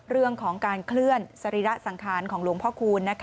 เรื่องของการเคลื่อนสรีระสังขารของหลวงพ่อคูณ